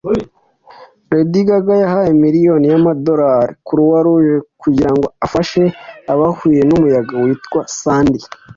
Lady Gaga yahaye miliyoni y’amadolari Croix Rouge kugira ngo afashe abahuye n’umuyaga witwa Sandy.